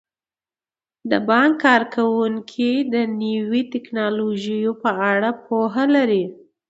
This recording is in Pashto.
د بانک کارکوونکي د نویو ټیکنالوژیو په اړه پوهه لري.